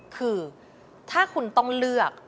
คือถ้าคุณต้องเลือก